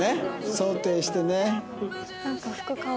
想定してね。